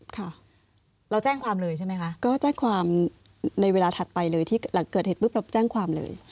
ค่ะเราแจ้งความเลยใช่ไหมคะก็แจ้งความในเวลาถัดไปเลยที่หลังเกิดเหตุปุ๊บเราแจ้งความเลย